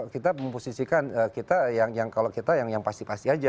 kita memposisikan kita yang kalau kita yang pasti pasti aja